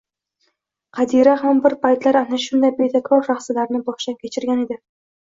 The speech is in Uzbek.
Qadira ham bir paytlar ana shunday betakror lahzalarni boshdan kechirgan edi